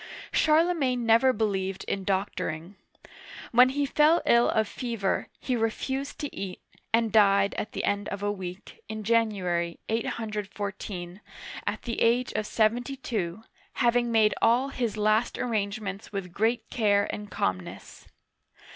Charlemagne never believed in doctoring. When he fell ill of fever, he refused to eat, and died at the end of a week, in January, 814, at the age of seventy two, hav ing made all his last arrangements with great care and calmness.